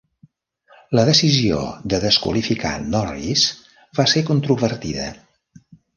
La decisió de desqualificar Norris va se controvertida.